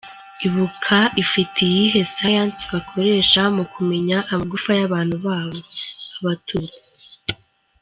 Ibuka ifite iyihe science bakoresha mu kumenya amagufa y’abantu “babo”, abatutsi?